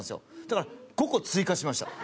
だから５個追加しました。